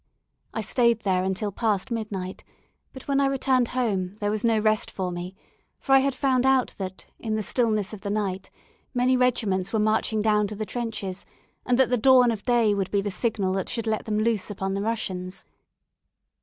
I stayed there until past midnight, but when I returned home, there was no rest for me; for I had found out that, in the stillness of the night, many regiments were marching down to the trenches, and that the dawn of day would be the signal that should let them loose upon the Russians.